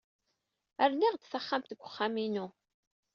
Rniɣ-d taxxamt deg wexxam-inu.